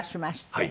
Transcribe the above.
はい。